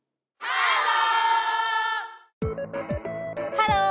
ハロー！